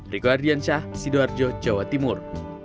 riko ardiansyah sidoarjo jawa timur